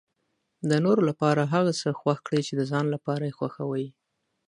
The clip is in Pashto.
د نورو لپاره هغه څه خوښ کړئ چې د ځان لپاره یې خوښوي.